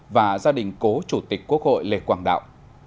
và gia đình cố chủ tịch quốc hội lê quang đạo